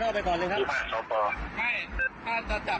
เอาลุงงานใหม่เขาไม่รู้หรอกว่าพ่อ